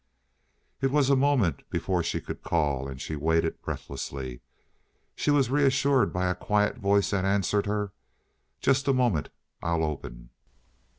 It was a moment before she could call, and she waited breathlessly. She was reassured by a quiet voice that answered her: "Just a moment. I'll open."